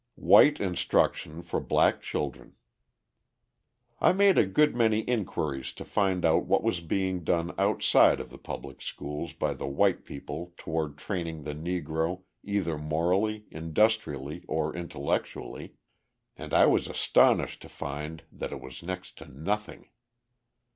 White Instruction for Black Children I made a good many inquiries to find out what was being done outside of the public schools by the white people toward training the Negro either morally, industrially or intellectually and I was astonished to find that it was next to nothing.